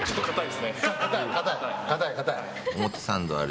硬い、硬い。